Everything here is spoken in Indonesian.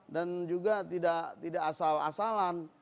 dan juga tidak asal asalan